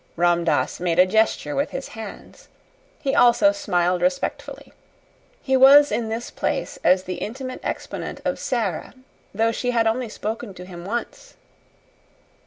Ram Dass made a gesture with his hands. He also smiled respectfully. He was in this place as the intimate exponent of Sara, though she had only spoken to him once.